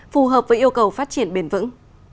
phù hợp với yêu cầu phát triển bền vững